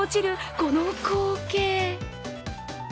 この光景。